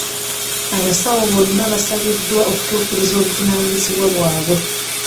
Abasawo bonna baasabiddwa okutuukiriza obuvunaanyizibwa bwabwe.